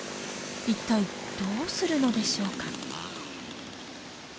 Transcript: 一体どうするのでしょうか。